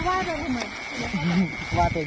ว่ายไปไกลจัง